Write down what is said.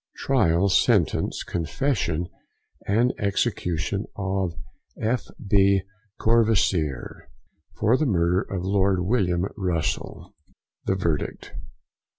TRIAL, SENTENCE, CONFESSION, & EXECUTION OF F. B. COURVOISIER, FOR THE Murder of Lord Wm. Russell. THE VERDICT.